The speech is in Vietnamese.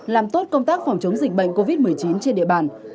làm tốt công tác phòng chống dịch bệnh covid một mươi chín trên địa bàn